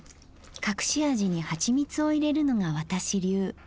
隠し味に蜂蜜を入れるのが私流。